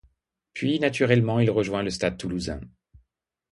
Puis, naturellement, il rejoint le Stade toulousain.